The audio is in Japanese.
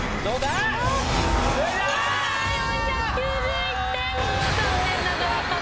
４９１点。